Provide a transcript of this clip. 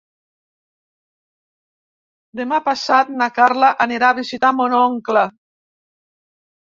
Demà passat na Carla anirà a visitar mon oncle.